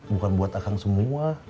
bukan buat akang semua